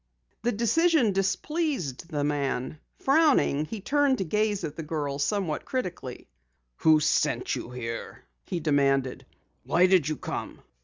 The decision displeased the man. Frowning, he turned to gaze at the girls somewhat critically. "Who sent you here?" he demanded. "Why did you come?"